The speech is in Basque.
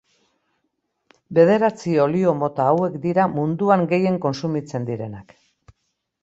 Bederatzi olio mota hauek dira munduan gehien kontsumitzen direnak.